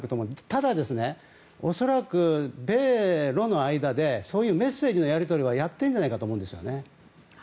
ただ、恐らく米露の間でそういうメッセージのやり取りはやっているんじゃないかと思うんですね。